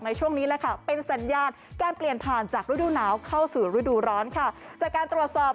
ช่วงนี้แหละค่ะเป็นสัญญาณการเปลี่ยนผ่านจากฤดูหนาวเข้าสู่ฤดูร้อนค่ะจากการตรวจสอบ